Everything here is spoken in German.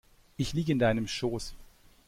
Ich liege in deinem Schoß.